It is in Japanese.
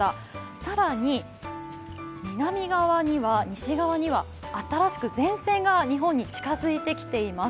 更に西側には新しく前線が日本に近づいてきています。